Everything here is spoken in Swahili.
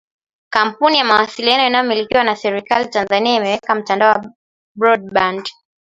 Kampuni mawasiliano inayomilikiwa na serikali ya Tanzania imeweka mtandao wa broadband